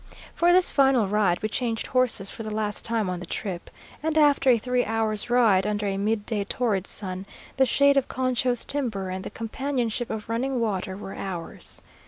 For this final ride we changed horses for the last time on the trip, and after a three hours' ride under a mid day torrid sun, the shade of Concho's timber and the companionship of running water were ours.